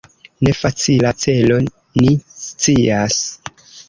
Ne facila celo, ni scias.